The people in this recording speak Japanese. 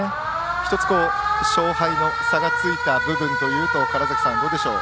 １つ勝敗の差がついた部分というと川原崎さん、どうでしょう。